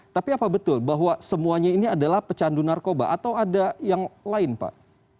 tapi apa betul bahwa semuanya ini adalah pecandu narkoba atau ada yang lain pak